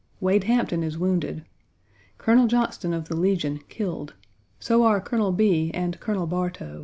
Wade Hampton is wounded. Colonel Johnston of the Legion killed; so are Colonel Bee and Colonel Bartow.